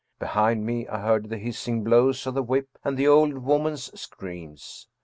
Behind me I heard the hiss ing blows of the whip and the old woman's screams.